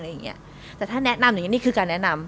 แต่ถ้าแนะนำอย่างเงี้ยนี่คือการแนะนำ